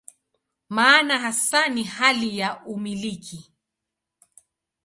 Maana hasa ni hali ya "umiliki".